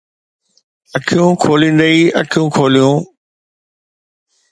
اکيون کوليندي ئي اکيون کوليون!